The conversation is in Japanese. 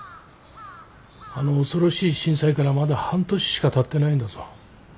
あの恐ろしい震災からまだ半年しかたってないんだぞ。